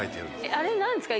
あれ何ですか？